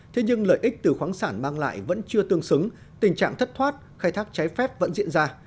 thế nhưng lợi ích từ khoáng sản mang lại vẫn chưa tương xứng tình trạng thất thoát khai thác trái phép vẫn diễn ra